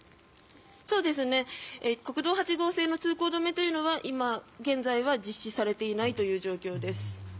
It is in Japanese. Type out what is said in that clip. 国道８号線の通行止めというのは今現在は実施されていないという状況です。